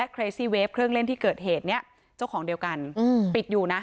เครื่องเล่นที่เกิดเหตุเนี้ยเจ้าของเดียวกันอืมปิดอยู่น่ะ